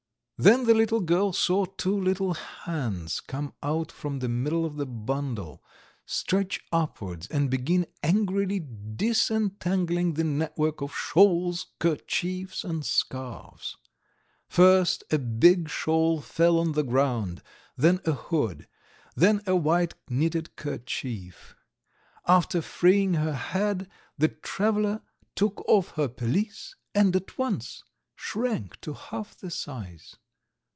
Then the little girl saw two little hands come out from the middle of the bundle, stretch upwards and begin angrily disentangling the network of shawls, kerchiefs, and scarves. First a big shawl fell on the ground, then a hood, then a white knitted kerchief. After freeing her head, the traveller took off her pelisse and at once shrank to half the size.